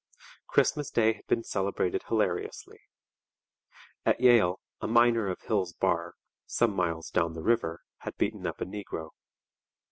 Christmas Day had been celebrated hilariously. At Yale a miner of Hill's Bar, some miles down the river, had beaten up a negro.